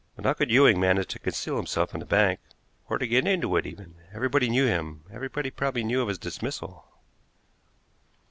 "But how could Ewing manage to conceal himself in the bank, or get into it even? Everybody knew him, everybody probably knew of his dismissal."